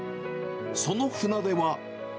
その船出は。